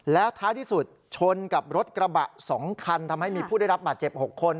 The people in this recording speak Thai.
แล้วท้ายที่สุดชนกับรถกระบะ๒คันทำให้มีผู้ได้รับบาดเจ็บ๖คน